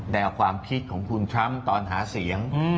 แนวความคิดของคุณทรัมป์ตอนหาเสียง